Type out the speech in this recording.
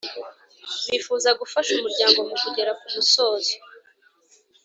bifuza gufasha umuryango mu kugera kumusozo